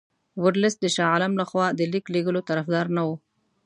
ورلسټ د شاه عالم له خوا د لیک لېږلو طرفدار نه وو.